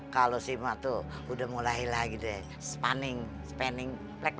kalau si emak tuh udah mulai lagi deh spanning spanning